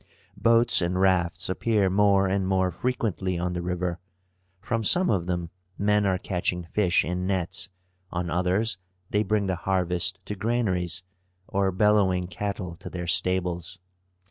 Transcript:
Boats and rafts appear more and more frequently on the river. From some of them men are catching fish in nets; on others they bring the harvest to granaries, or bellowing cattle to their stables.